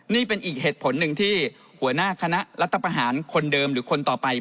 นี่เป็นอีกเหตุผลหนึ่งที่หัวหน้าคณะรัฐประหารคนเดิมหรือคนต่อไป